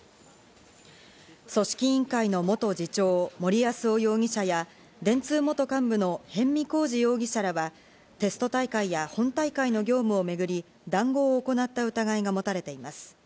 組織委員会の元次長・森泰夫容疑者や、電通元幹部の逸見晃治容疑者らは、テスト大会や本大会の業務をめぐり、談合を行った疑いが持たれています。